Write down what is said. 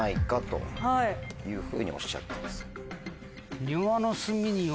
というふうにおっしゃってます。